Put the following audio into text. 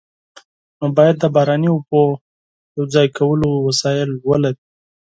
نور باید د باراني اوبو ذخیره کولو وسایل ولري.